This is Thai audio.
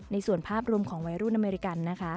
ส่วนภาพรวมของวัยรุ่นอเมริกันนะคะ